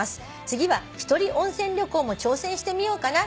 「次は１人温泉旅行も挑戦してみようかな」